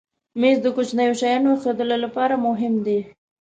مېز د کوچنیو شیانو ایښودلو لپاره مهم دی.